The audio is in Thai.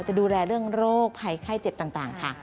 จะดูแลเรื่องโรคภัยไข้เจ็บต่างค่ะ